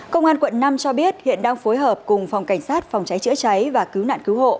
công an quận năm cho biết hiện đang phối hợp cùng phòng cảnh sát phòng cháy chữa cháy và cứu nạn cứu hộ